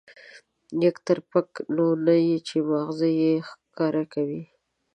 پک تر پکه، نو نه چې ما غزه يې ښکاره وي.